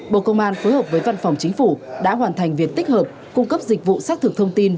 bộ công an phối hợp với văn phòng chính phủ đã hoàn thành việc tích hợp cung cấp dịch vụ xác thực thông tin